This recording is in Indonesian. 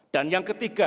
dan yang ketiga